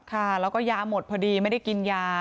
ค่ะแล้วก็ยาหมดพอดีไม่ได้กินยา